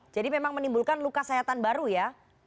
jadi memang menimbulkan luka sayatan baru ya